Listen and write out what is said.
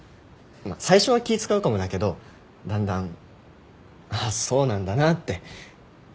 最初は気使うかもだけどだんだんあっ想なんだなって分かると思う。